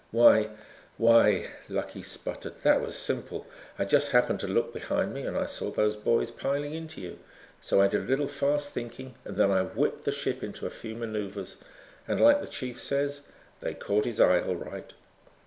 "Why why," Lucky sputtered, "that was simple. I just happened to look behind me and I saw those boys piling into you. So I did a little fast thinking and then I whipped the ship into a few maneuvers and, like the chief says, they caught his eye all right."